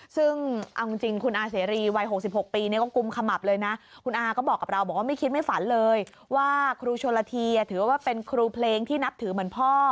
ซึ่งเอาจริงคุณอาเสรีวัย๖๖ปีเนี่ยก็กุมขมับเลยนะคุณอาก็บอกกับเราบอกว่าไม่คิดไม่ฝันเลยว่าครูชนละทีถือว่าเป็นครูเพลงที่นับถือเหมือนพ่อ